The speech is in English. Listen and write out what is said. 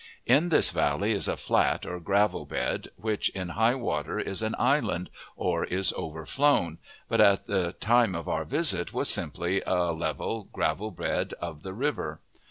In this valley is a fiat, or gravel bed, which in high water is an island, or is overflown, but at the time of our visit was simply a level gravel bed of the river.